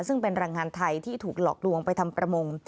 ซึ่งเป็นแรงงานไทยที่ถูกหลอกลวงไปทำประมง